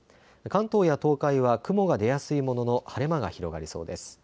関東や東海は雲が出やすいものの晴れ間が広がりそうです。